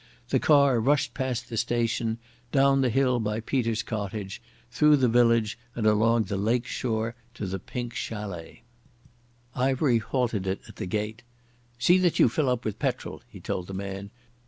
The car rushed past the station, down the hill by Peter's cottage, through the village, and along the lake shore to the Pink Chalet. Ivery halted it at the gate. "See that you fill up with petrol," he told the man.